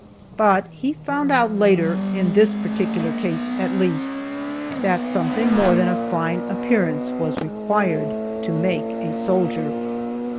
But he found out later, (in this particular case, at least) that something more than a fine appearance was required to make a soldier.